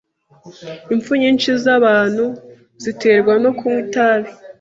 Impfu nyinshi zabantu ziterwa no kunywa itabi.